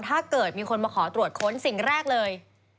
ถ้าเกิดมีคนมาขอตรวจค้นสิ่งแรกเลย